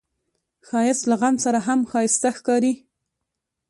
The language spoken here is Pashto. ښایست له غم سره هم ښايسته ښکاري